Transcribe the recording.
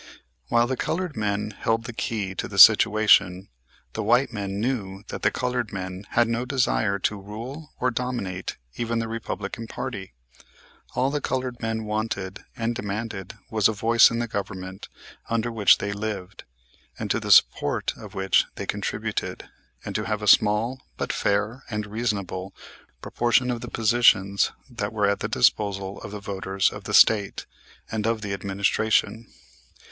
While the colored men held the key to the situation, the white men knew that the colored men had no desire to rule or dominate even the Republican party. All the colored men wanted and demanded was a voice in the government under which they lived, and to the support of which they contributed, and to have a small, but fair, and reasonable proportion of the positions that were at the disposal of the voters of the State and of the administration.